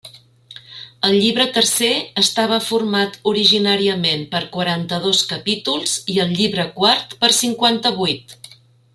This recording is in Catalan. El llibre tercer estava format originàriament per quaranta-dos capítols i el llibre quart per cinquanta-vuit.